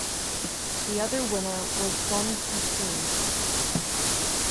The other winner was Sohn Kee-chung.